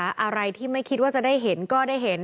อะไรที่ไม่คิดว่าจะได้เห็นก็ได้เห็น